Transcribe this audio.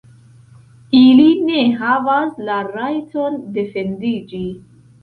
Ili ne havas la rajton defendiĝi.